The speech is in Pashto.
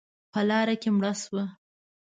_په لاره کې مړه شوه.